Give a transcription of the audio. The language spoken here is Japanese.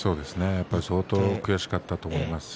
相当、悔しかったと思いますが。